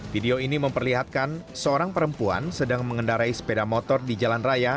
video ini memperlihatkan seorang perempuan sedang mengendarai sepeda motor di jalan raya